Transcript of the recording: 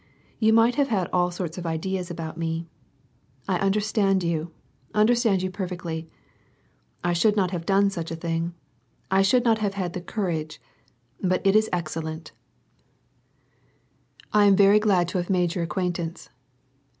You might have had all sorts of ideas about me. I understand you, under stand you perfectly. I should not have done such a thing, I should not have had the courage, but it is excellent. I am 64 ^aA and peace, very glad to have made your acquaintance.